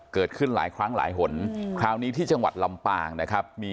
เกิดขึ้นหลายครั้งหลายหนคราวนี้ที่จังหวัดลำปางนะครับมี